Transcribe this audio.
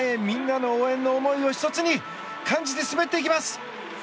みんなの応援の思いを１つに感じて滑っていきます！